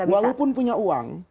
walaupun punya uang